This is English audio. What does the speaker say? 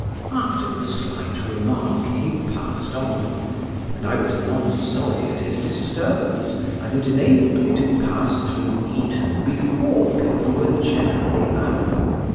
After a slight remark he passed on; and I was not sorry at his disturbance, as it enabled me to pass through Eton before people were generally up.